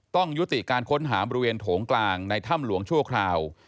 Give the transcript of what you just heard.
ต้องยุติการค้นหาบริเวณโถงกลางในถ้ำหลวงชั่วคราว